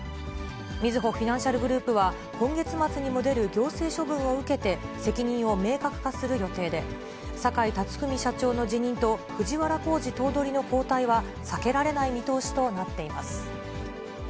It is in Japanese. みずほフィナンシャルグループは、今月末にも出る行政処分を受けて責任を明確化する予定で、坂井辰史社長の辞任と、藤原弘治頭取の交代は避けられない見通しとなっています。